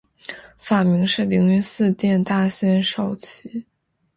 法名是灵云寺殿大仙绍其。